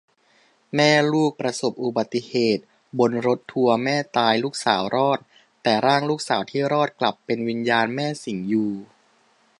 แม่ลูกประสบอุบัติเหตุบนรถทัวร์ แม่ตาย ลูกสาวรอด แต่ร่างลูกสาวที่รอดกลับเป็นวิญญาณแม่สิงอยู่